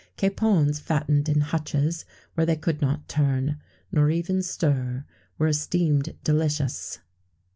Capons fattened in hutches, where they could not turn, nor even stir, were esteemed delicious.